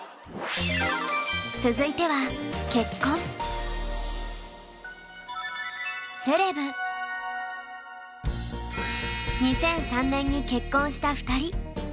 続いては２００３年に結婚した２人。